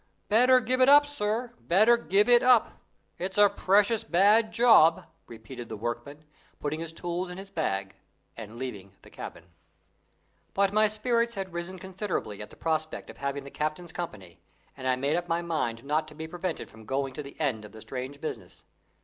"Better give it up, sir better give it up! It's a precious bad job," repeated the workman, putting his tools in his bag and leaving the cabin. But my spirits had risen considerably at the prospect of having the captain's company, and I made up my mind not to be prevented from going to the end of the strange business.